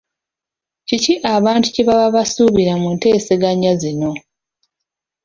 Kiki abantu kye baba basuubira mu nteeseganya zino?